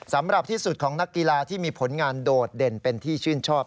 สำหรับที่สุดของนักกีฬาที่มีผลงานโดดเด่นเป็นที่ชื่นชอบ